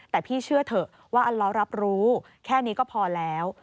แต่พี่เชื่อเถอะว่าอันล้อรับรู้แค่นี้ก็พอแล้ว